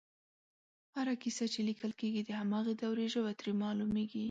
هره کیسه چې لیکل کېږي د هماغې دورې ژبه ترې معلومېږي